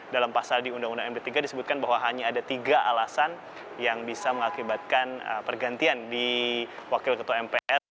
dalam pasal di undang undang md tiga disebutkan bahwa hanya ada tiga alasan yang bisa mengakibatkan pergantian di wakil ketua mpr